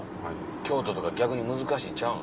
京都とか逆に難しいんちゃうの？